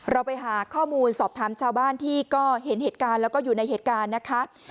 เราไปหาข้อมูลสอบถามชาวบ้านที่ก็เห็นเหตุการณ์แล้วก็อยู่ในเหตุการณ์นะคะ